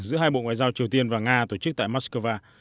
giữa hai bộ ngoại giao triều tiên và nga tổ chức tại moscow